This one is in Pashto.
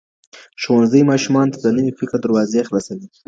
ښوونځی ماشومانو ته د نوي فکر دروازې خلاصوي.